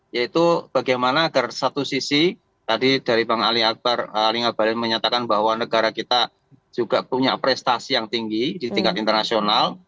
yaitu bagaimana agar satu sisi tadi dari bang ali akbar ali ngabalin menyatakan bahwa negara kita juga punya prestasi yang tinggi di tingkat internasional